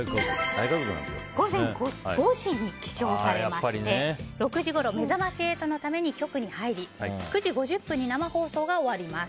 午前５時に起床されまして６時ごろ「めざまし８」のために局に入り９時５０分に生放送が終わります。